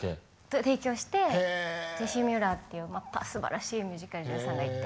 提供してジェシー・ミューラーっていうまたすばらしいミュージカル女優さんがいて。